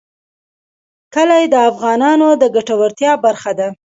کلي د افغانانو د ګټورتیا برخه ده.